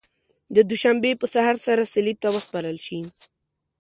د دوشنبې په سهار سره صلیب ته وسپارل شي.